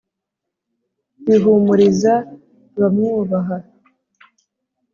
Rihumuriza abamwubaha